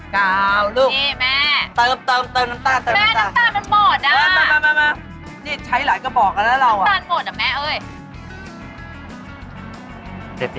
กาวลูกนี่แม่เติมน้ำตาลเติมน้ำตาลแม่น้ำตาลมันหมดอ่ะ